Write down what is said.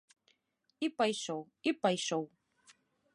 І пайшоў, і пайшоў.